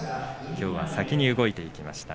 きょうは先に動きました